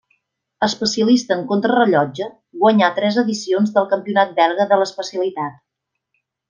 Especialista en contrarellotge, guanyà tres edicions del campionat belga de l'especialitat.